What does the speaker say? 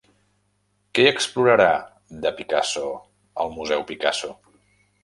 Què explorarà de Picasso el Museu Picasso?